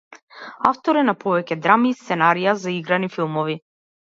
Автор е на повеќе драми и сценарија за играни филмови.